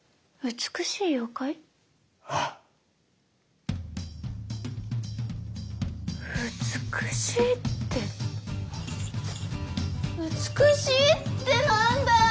美しいって美しいって何だい！